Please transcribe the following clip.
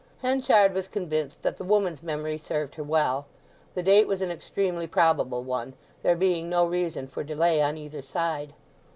Henchard was convinced that the woman's memory served her well. The date was an extremely probable one, there being no reason for delay on either side.